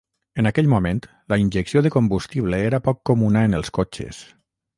En aquell moment, la injecció de combustible era poc comuna en els cotxes.